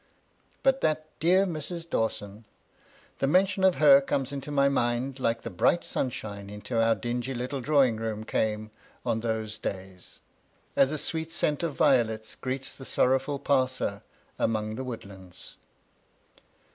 But that dear Mrs. Dawson ! The mention of her comes into my mind like the bright sunshine into our dingy little drawing room came on those days ;— as a sweet scent of violets greets the sorrowful passer among the woodlands.